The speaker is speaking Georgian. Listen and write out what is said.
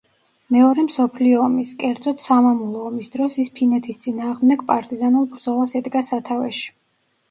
მეორე მსოფლიო ომის, კერძოდ, სამამულო ომის დროს ის ფინეთის წინააღმდეგ პარტიზანულ ბრძოლას ედგა სათავეში.